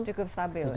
cukup stabil ya